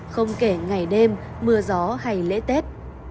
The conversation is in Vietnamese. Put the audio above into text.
không kể ngày đêm mưa gió hay lễ tết